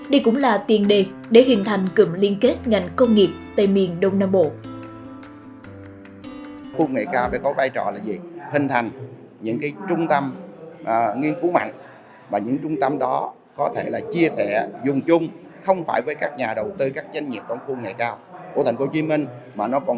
đây cũng là tiền đề để hình thành cụm liên kết ngành công nghiệp tại miền đông nam bộ